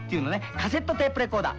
カセットテープレコーダー。